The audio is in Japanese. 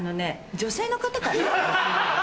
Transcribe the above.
女性の方かな。